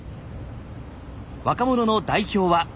若者の代表は。